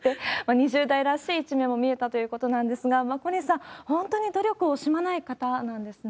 ２０代らしい一面も見えたということなんですが、小西さん、本当に努力を惜しまない方なんですね。